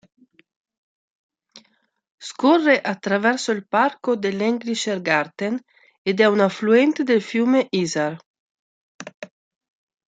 Scorre attraverso il parco dell'Englischer Garten, ed è un affluente del fiume Isar.